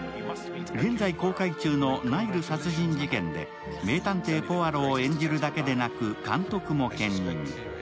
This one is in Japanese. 現在公開中の「ナイル殺人事件」で名探偵ポアロを演じるだけでなく監督も兼任。